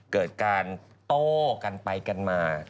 เกิดการโต้กันไปกันมา